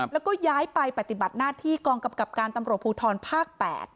แล้วก็ย้ายไปปฏิบัติหน้าที่กองกำกับการตำรวจภูทรภาค๘